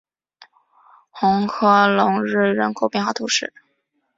红科隆日人口变化图示